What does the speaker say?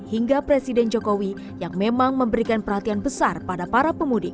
hingga presiden jokowi yang memang memberikan perhatian besar pada para pemudik